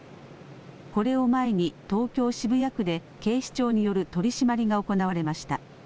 これを前に東京渋谷区で警視庁による取締りが行われました。